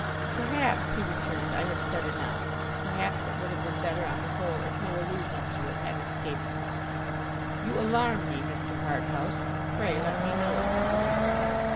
'Perhaps,' he returned, 'I have said enough. Perhaps it would have been better, on the whole, if no allusion to it had escaped me.' 'You alarm me, Mr. Harthouse. Pray let me know it.